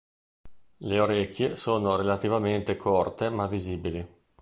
Le orecchie sono relativamente corte ma visibili.